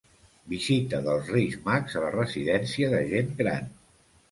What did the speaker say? Visita dels Reis Mags a la Residència de Gent Gran.